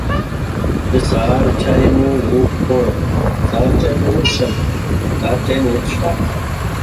The two lawyers offered to do the necessary paperwork for a fee.